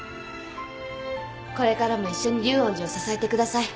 これからも一緒に竜恩寺を支えてください。